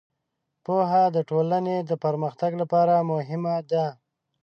پوهه د ټولنې د پرمختګ لپاره مهمه ده.